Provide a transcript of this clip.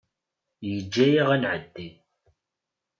Yeǧǧa-aɣ ad nɛeddi.